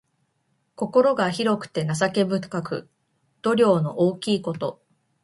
心が広くて情け深く、度量の大きいこと。